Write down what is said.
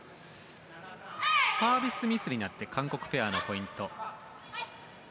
サービスミスになって韓国ペアのポイント。